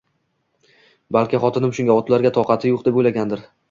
Balki, xotinim shunga, otlarga toqati yo`q, deb o`ylagandir